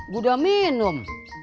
gua udah minum